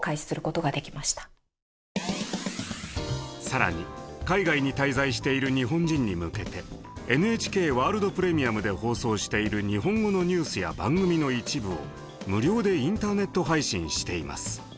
更に海外に滞在している日本人に向けてＮＨＫワールド・プレミアムで放送している日本語のニュースや番組の一部を無料でインターネット配信しています。